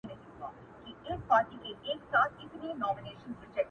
در جارېږمه سپوږمیه راته ووایه په مینه-